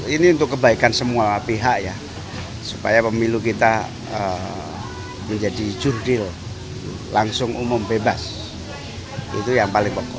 ini untuk kebaikan semua pihak ya supaya pemilu kita menjadi jurdil langsung umum bebas itu yang paling pokok